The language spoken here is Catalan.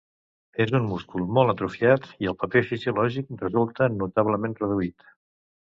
És un múscul molt atrofiat i el paper fisiològic resulta notablement reduït.